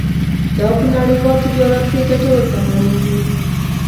دا په نړیوال تجارت کې ګټور تمامېږي.